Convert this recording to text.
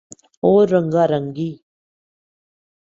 اور رنگا رنگی